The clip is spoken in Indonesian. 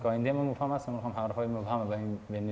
ketika saya sudah memahami